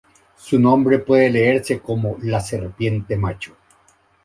Su nombre puede leerse como "la serpiente macho".